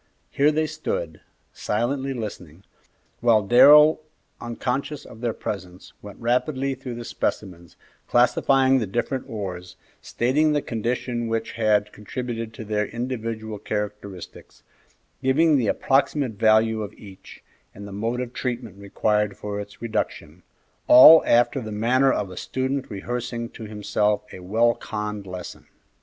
Here they stood, silently listening, while Darrell, unconscious of their presence, went rapidly through the specimens, classifying the different ores, stating the conditions which had contributed to their individual characteristics, giving the approximate value of each and the mode of treatment required for its reduction; all after the manner of a student rehearsing to himself a well conned lesson.